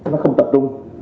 nó không tập trung